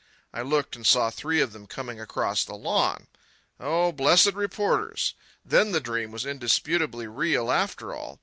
I looked and saw three of them coming across the lawn. Oh, blessed reporters! Then the dream was indisputably real after all.